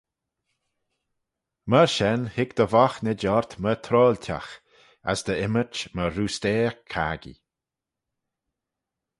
"Myr shen hig dty voghtynid ort myr troailtagh; as dty ymmyrch myr roosteyr caggee."